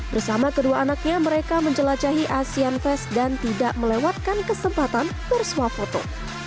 bersama kedua anaknya mereka menjelajahi asian fest dan tidak melewatkan kesempatan bersuah foto